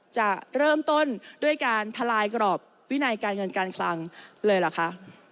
จะเริ่มต้นด้วยการทลายกรอบวินัยการเงินการคลังเลยเหรอคะ